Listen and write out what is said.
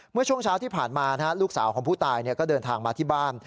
เมื่อช่วงเช้าที่ผ่านมาลูกสาวของผู้ตายก็เดินทางมาที่บ้าน